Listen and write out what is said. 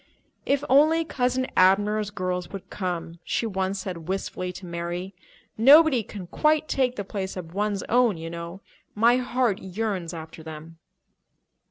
"If only Cousin Abner's girls would come!" she once said wistfully to Mary. "Nobody can quite take the place of one's own, you know. My heart yearns after them."